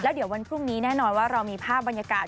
เดี๋ยววันพรุ่งนี้แน่นอนว่าเรามีภาพบรรยากาศ